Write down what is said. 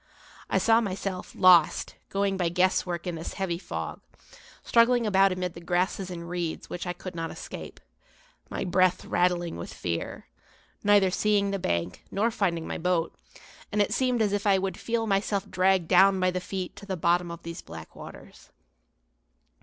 I saw myself, lost, going by guesswork in this heavy fog, struggling about amid the grasses and reeds which I could not escape, my breath rattling with fear, neither seeing the bank, nor finding my boat; and it seemed as if I would feel myself dragged down by the feet to the bottom of these black waters.